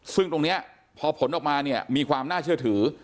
ซึ่งตรงนี้พอผลออกมาเนี่ยมีความน่าเชื่อถือ